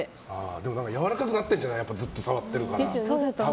でもやわらかくなってるんじゃないずっと触ってるから。